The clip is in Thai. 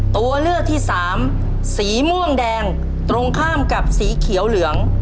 ตัวเลือกที่สามสีม่วงแดงตรงข้ามกับสีเขียวเหลือง